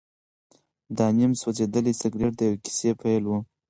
دا نیم سوځېدلی سګرټ د یوې کیسې پیل و.